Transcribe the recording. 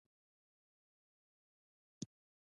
آیا جنازې او فاتحې ګرانې دي؟